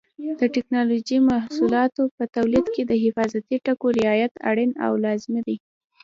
د ټېکنالوجۍ محصولاتو په تولید کې د حفاظتي ټکو رعایت اړین او لازمي دی.